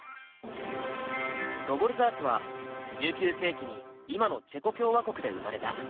ドヴォルザークは１９世紀に今のチェコ共和国で生まれた。